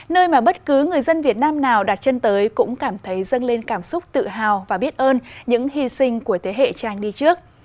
nơi mà bất cứ người dân việt nam nào đặt chân tới cũng cảm thấy dâng lên cảm xúc tự hào và biết ơn những hy sinh của thế hệ trang đi trước